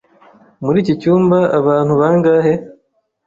Muri iki cyumba abantu bangahe?